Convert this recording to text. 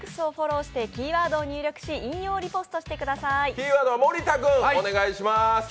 キーワードは森田君、お願いします。